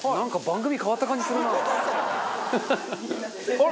あれ？